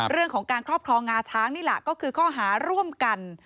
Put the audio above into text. เรื่องของการครอบครองงาช้างนี่แหละก็คือข้อหาร่วมกัน